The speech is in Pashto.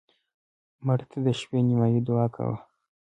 مړه ته د شپه نیمایي دعا کوو